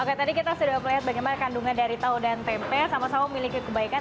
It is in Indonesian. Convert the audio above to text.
oke tadi kita sudah melihat bagaimana kandungan dari tahu dan tempe sama sama memiliki kebaikan